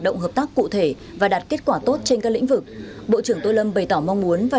động hợp tác cụ thể và đạt kết quả tốt trên các lĩnh vực bộ trưởng tô lâm bày tỏ mong muốn và